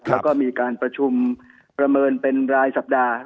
แล้วก็มีการประชุมประเมินเป็นรายสัปดาห์